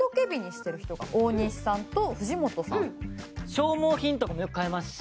消耗品とかもよく買いますし。